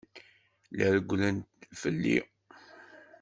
La rewwlen fell-i.